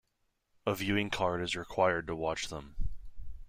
A viewing card is required to watch them.